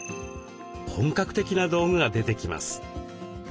本格的な道具が出てきます。